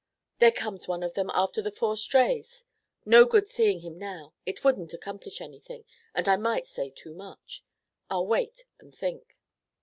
There comes one of them after the four strays. No good seeing him now. It wouldn't accomplish anything, and I might say too much. I'll wait and think."